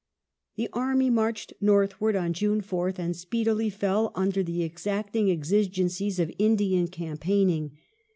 The army marched northward on June 4th, and speedily fell under the exacting exigencies of Indian campaigning.